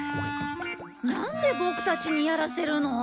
なんでボクたちにやらせるの？